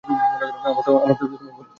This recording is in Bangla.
আমার তো ঘর আছে।